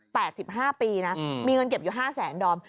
ดสิบห้าปีนะอืมมีเงินเก็บอยู่ห้าแสนดอม